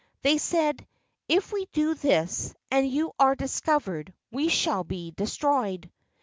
They said, "If we do this and you are discovered we shall be destroyed."